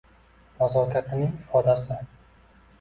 Nazokatning ifodasi.